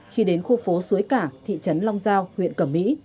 khi đến khu phố suối cả thị trấn long giao huyện cẩm mỹ